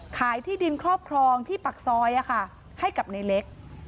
ที่ดินครอบครองที่ปากซอยให้กับในเล็ก